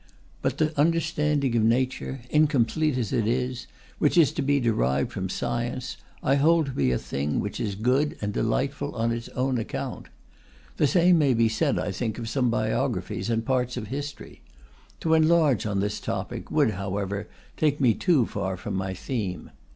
But the understanding of Nature, incomplete as it is, which is to be derived from science, I hold to be a thing which is good and delightful on its own account. The same may be said, I think, of some biographies and parts of history. To enlarge on this topic would, however, take me too far from my theme.